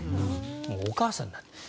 もうお母さんになったと。